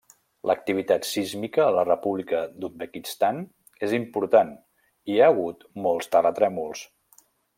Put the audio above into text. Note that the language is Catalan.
L'activitat sísmica a la República d'Uzbekistan és important i hi ha hagut molts terratrèmols.